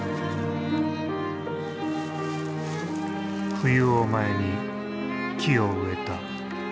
冬を前に木を植えた。